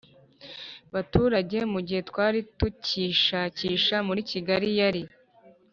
baturage. Mu gihe twari tucyishakisha muri Kigali yari